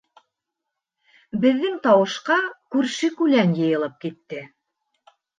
Беҙҙең тауышҡа күрше-күлән йыйылып китте.